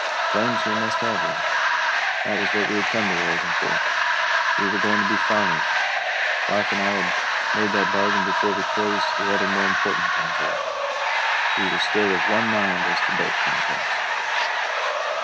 Claims we must have, though. That was what we had come to Oregon for. We were going to be farmers; wife and I had made that bargain before we closed the other more important contract. We were still of one mind as to both contracts.